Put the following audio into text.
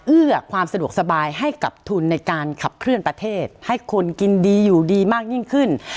เอื้อความสะดวกสบายให้กับทุนในการขับเคลื่อนประเทศให้คนกินดีอยู่ดีมากยิ่งขึ้น